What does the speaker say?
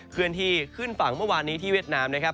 เคลื่อนที่ขึ้นฝั่งเมื่อวานนี้ที่เวียดนามนะครับ